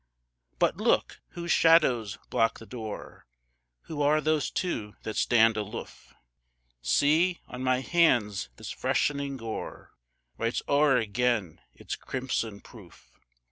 But look! whose shadows block the door? Who are those two that stand aloof? See! on my hands this freshening gore Writes o'er again its crimson proof!